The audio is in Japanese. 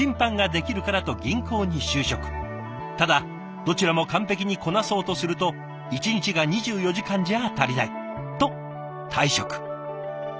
ただどちらも完璧にこなそうとすると「一日が２４時間じゃ足りない」と退職。